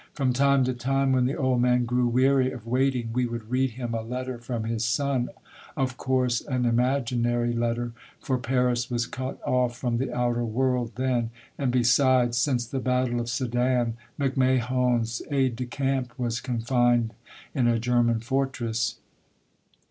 From time to time, when the old man grew weary of waiting, we would read him a letter from his son, of course, an imaginary letter, for Paris was cut off from the outer world then, and, besides, since the battle of Sedan, MacMahon's aide de camp was confined in a German fortress.